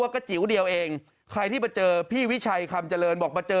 กระจิ๋วเดียวเองพี่วิชัยคำเจริญบอกมาเจอ